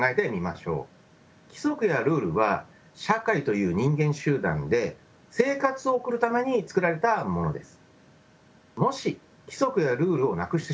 規則やルールは社会という人間集団で生活を送るために作られたものです。